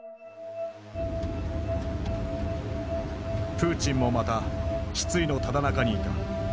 プーチンもまた失意のただ中にいた。